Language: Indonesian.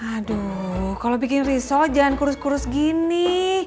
aduh kalau bikin risau jangan kurus kurus gini